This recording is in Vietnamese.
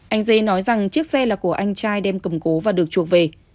anh giấy nói rằng chiếc xe là của anh trai đem cầm cố và được chuộc về